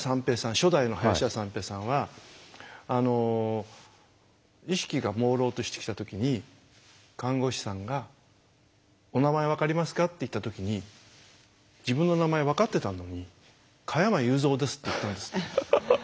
初代の林家三平さんは意識がもうろうとしてきた時に看護師さんが「お名前分かりますか？」って言った時に自分の名前分かってたのに「加山雄三です」って言ったんですって。